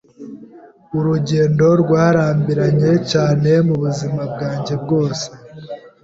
Urugendo rwarambiranye cyane mubuzima bwanjye bwose.